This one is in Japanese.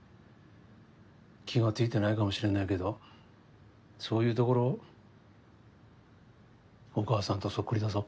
気が付いてないかもしれないけどそういうところお母さんとそっくりだぞ。